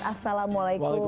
assalamualaikum pak kiai